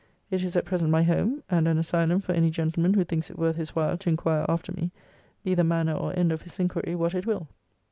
It is at present my home, and an asylum for any gentleman who thinks it worth his while to inquire after me, be the manner or end of his inquiry what it will.